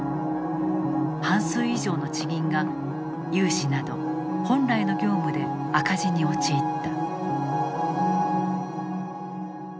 半数以上の地銀が、融資など本来の業務で赤字に陥った。